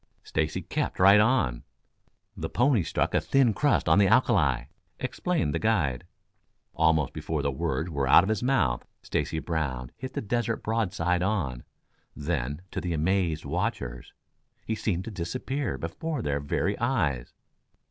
Stacy kept right on. "The pony struck a thin crust on the alkali," explained the guide. Almost before the words were out of his mouth Stacy Brown hit the desert broadside on. Then, to the amazed watchers, he seemed to disappear before their very eyes.